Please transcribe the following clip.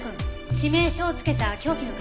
致命傷を付けた凶器の形。